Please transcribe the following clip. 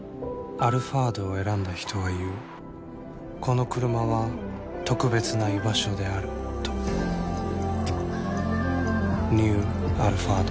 「アルファード」を選んだ人は言うこのクルマは特別な居場所であるとニュー「アルファード」